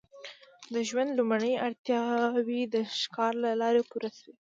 د ژوند لومړنۍ اړتیاوې د ښکار له لارې پوره شوې.